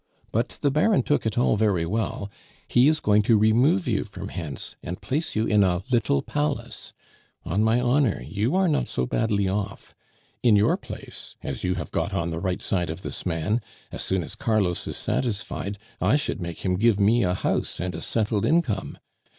But the Baron took it all very well. He is going to remove you from hence, and place you in a little palace. On my honor, you are not so badly off. In your place, as you have got on the right side of this man, as soon as Carlos is satisfied, I should make him give me a house and a settled income.